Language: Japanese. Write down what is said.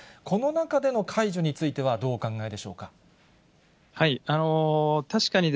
この中での解除については、どうお考えでしょうか。